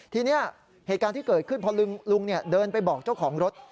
ทีนี้เหตุการณ์ที่เกิดขึ้นพอลุงเดินไปบอกเจ้าของรถ